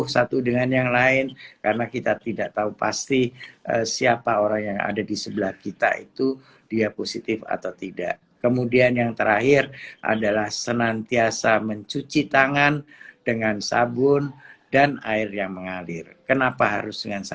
selalu melihat di jalan dengan gagah nyata menggunakan masker